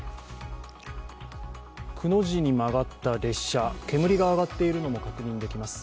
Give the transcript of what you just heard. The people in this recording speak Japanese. くの字に曲がった列車、煙が上がっているのも確認できます。